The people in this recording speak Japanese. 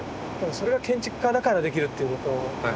それが建築家だからできるっていうことなんでしょうね。